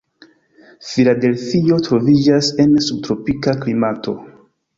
Filadelfio troviĝas en subtropika klimato.